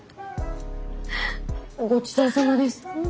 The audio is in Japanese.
ごちそうさまです。